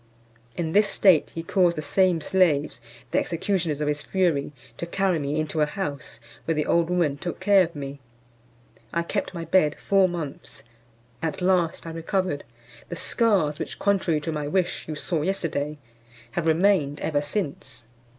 In this state he caused the same slaves, the executioners of his fury, to carry me into a house, where the old woman took care of me. I kept my bed four months; at last I recovered: the scars which, contrary to my wish, you saw yesterday, have remained ever since.